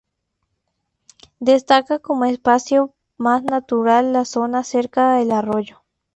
Destaca como espacio más natural la zona cercana al arroyo.